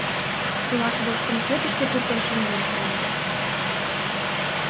Руаш вочкым кӧ тышке пуртен шынден? — манеш.